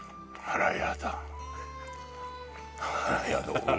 あらやだ